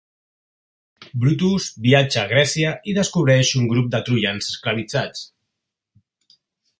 Brutus viatja a Grècia i descobreix un grup de troians esclavitzats.